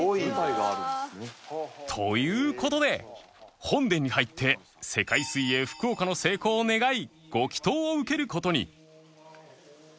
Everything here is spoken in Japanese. という事で本殿に入って世界水泳福岡の成功を願いご祈祷を受ける事に